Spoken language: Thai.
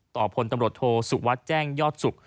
ต่อพลตำรวจโทรสุวัตรแจ้งยอดสุก